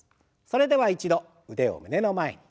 それでは一度腕を胸の前に。